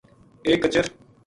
ایک کچر